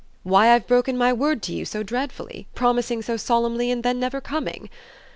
"Why I've broken my word to you so dreadfully promising so solemnly and then never coming?